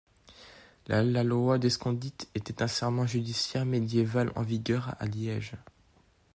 La loi d'escondit était un serment judiciaire médiéval en vigueur à Liège.